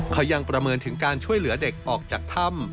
เขายังประเมินถึงการช่วยเหลือเด็กออกจากถ้ำ